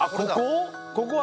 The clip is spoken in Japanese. ここ？